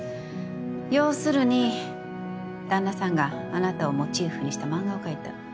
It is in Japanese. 要するに旦那さんがあなたをモチーフにした漫画を描いた。